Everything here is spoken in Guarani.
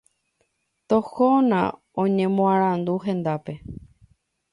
Tohóna oñemoarandu hendápe.